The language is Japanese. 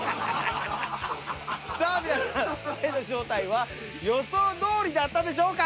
さあ皆さんスパイの正体は予想どおりだったでしょうか？